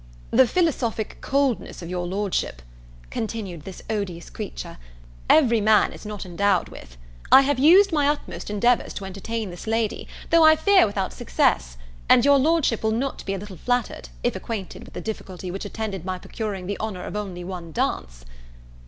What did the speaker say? "The philosophic coldness of your Lordship," continued this odious creature, "every man is not endowed with. I have used my utmost endeavours to entertain this lady, though I fear without success; and your lordship will not be a little flattered, if acquainted with the difficulty which attended my procuring the honour of only one dance."